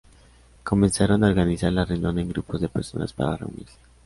Comenzaron a organizar la reunión en grupos de personas para reunirse.